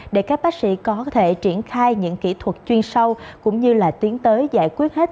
để các bác sĩ có thể triển khai những kỹ thuật chuyên sâu cũng như là tiến tới giải quyết hết